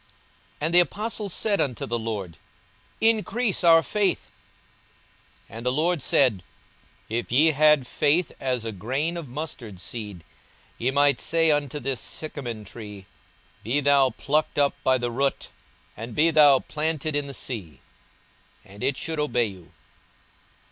42:017:005 And the apostles said unto the Lord, Increase our faith. 42:017:006 And the Lord said, If ye had faith as a grain of mustard seed, ye might say unto this sycamine tree, Be thou plucked up by the root, and be thou planted in the sea; and it should obey you.